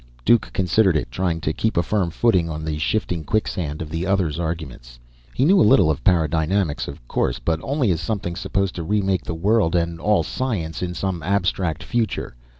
Duke considered it, trying to keep a firm footing on the shifting quicksand of the other's arguments. He knew a little of paradynamics, of course, but only as something supposed to remake the world and all science in some abstract future.